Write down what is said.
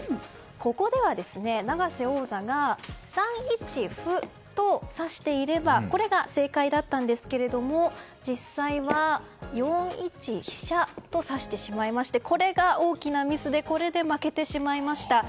ここでは、永瀬王座が３一歩と指していればこれが、正解だったんですが実際は４一飛車と指してしまいましてこれが大きなミスでこれで負けてしまいました。